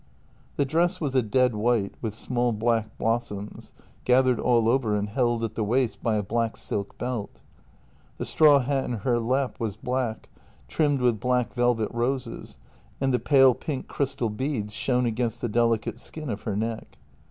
The dress was a dead white, with small black blossoms, gathered all over and held at the waist by a black silk belt. The straw hat in her lap was black, trimmed with black velvet roses, and the pale pink crystal beads shone against the delicate skin of her neck.